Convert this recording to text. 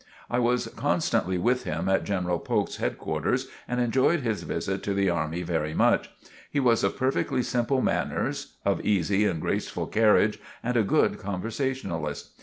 I was constantly with him at General Polk's headquarters and enjoyed his visit to the army very much. He was of perfectly simple manners, of easy and graceful carriage and a good conversationalist.